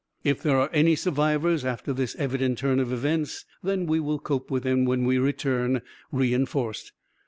If there are any survivors after this evident turn of events, then we will cope with them when we return, reinforced.